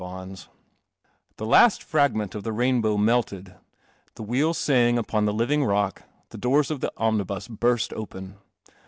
B The last fragment of the rainbow melted, the wheels the living rock, the door :: mnibus burst open.